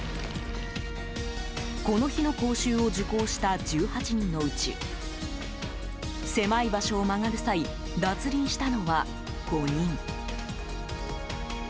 この日の講習を受講した１８人のうち狭い場所を曲がる際脱輪したのは５人。